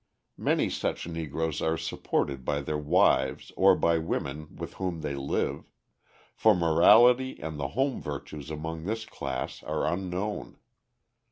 Many such Negroes are supported by their wives or by women with whom they live for morality and the home virtues among this class are unknown.